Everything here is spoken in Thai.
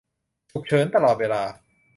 ฉุกเฉินตลอดเวลา